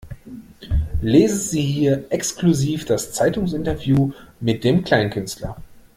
Lesen sie hier exklusiv das Zeitungsinterview mit dem Kleinkünstler!